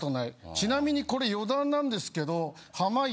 ちなみにこれ余談なんですけど濱家